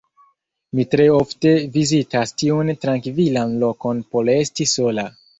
Mi tre ofte vizitas tiun trankvilan lokon por esti sola.